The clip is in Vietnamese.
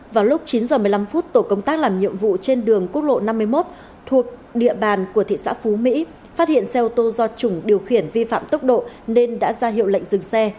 vào lúc chín h một mươi năm tổ công tác làm nhiệm vụ trên đường quốc lộ năm mươi một thuộc địa bàn của thị xã phú mỹ phát hiện xe ô tô do chủng điều khiển vi phạm tốc độ nên đã ra hiệu lệnh dừng xe